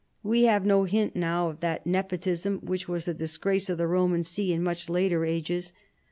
We have no hint now of that nepotism which was the disgrace of the Roman see in much later ages.